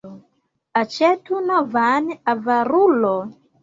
Aĉetu novan, avarulo!